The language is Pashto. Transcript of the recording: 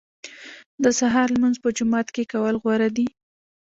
د سهار لمونځ په جومات کې کول غوره دي.